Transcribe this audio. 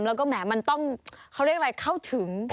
แล้วก็แหมมันต้องเขาเรียกอะไรเข้าถึง